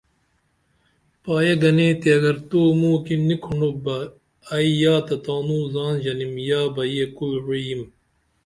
پائیے گنے تے اگر توموکی نی کھنڈوپ بہ ائی یا تہ تانو زان ژنیم یا بہ یے کُل وعی یم